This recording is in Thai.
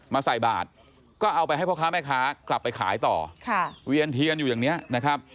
ใส่บาทก็เอาไปให้พ่อค้าแม่ค้ากลับไปขายต่อค่ะเวียนเทียนอยู่อย่างนี้นะครับ